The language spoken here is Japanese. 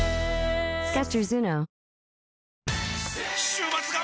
週末が！！